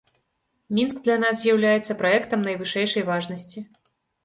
Мінск для нас з'яўляецца праектам найвышэйшай важнасці.